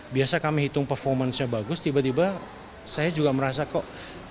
biasa kami hitung performance nya bagus tiba tiba saya juga merasa kok